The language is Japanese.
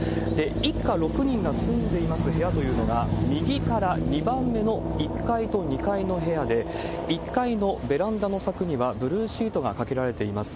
一家６人が住んでいます部屋というのが、右から２番目の１階と２階の部屋で、１階のベランダの柵にはブルーシートがかけられています。